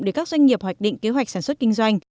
để các doanh nghiệp hoạch định kế hoạch sản xuất kinh doanh